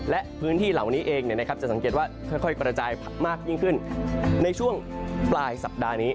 และพื้นที่เหล่านี้เองจะสังเกตว่าค่อยกระจายมากยิ่งขึ้นในช่วงปลายสัปดาห์นี้